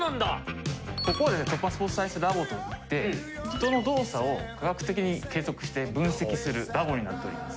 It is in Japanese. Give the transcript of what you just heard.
ここはですねトッパン・スポーツサイエンスラボといって人の動作を科学的に計測して分析するラボになっております。